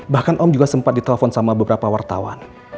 bahkan om juga sempat ditelepon sama beberapa wartawan